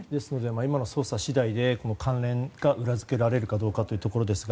今の捜査次第で関連が裏付けられるかということですが